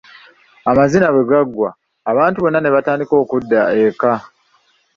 Amazina bwe gaggwa, abantu bonna ne batandika okudda eka.